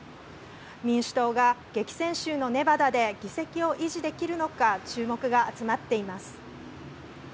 民主党が激戦州のネバダで議席を維持できるのか注目が集まっています。